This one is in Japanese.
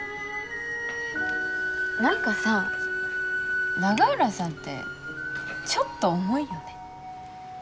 何かさ永浦さんってちょっと重いよね。